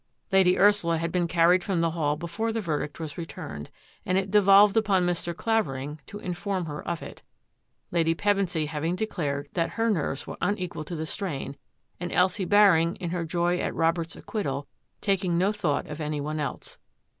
Lady Ursula had been carried from the hall before the verdict was returned and it devolved upon Mr. Clavering to inform her of it, Lady Pevensy having declared that her nerves were un equal to the strain, and Elsie Baring, in her joy at Robert's acquittal, taking no thought of any one else.